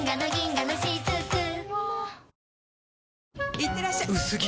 いってらっしゃ薄着！